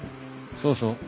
そうそう。